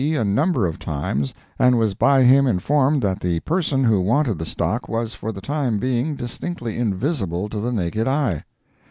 a number of times and was by him informed that the person who wanted the stock was for the time being distinctly invisible to the naked eye.